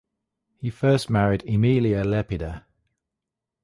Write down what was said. He first married Aemilia Lepida.